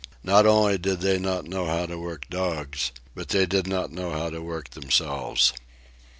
Not only did they not know how to work dogs, but they did not know how to work themselves.